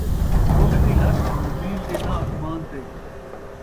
اٹھ دی لت زمین تے ناں اسمان تے